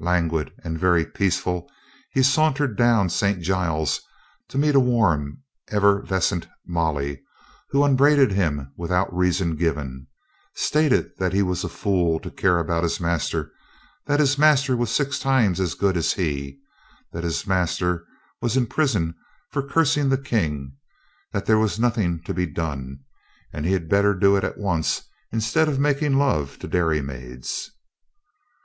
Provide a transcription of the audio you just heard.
Lan guid and very peaceful he sauntered down St. Giles to meet a warm effervescent Molly, who upbraided him without reason given ; stated that he was a fool to care about his master; that his master was six times as good as he; that his master was in prison for cursing the King; that there was nothing to be done, and he had better do it at once instead of mak ing love to dairymaids.